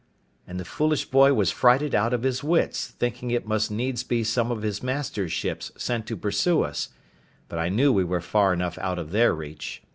and the foolish boy was frighted out of his wits, thinking it must needs be some of his master's ships sent to pursue us, but I knew we were far enough out of their reach.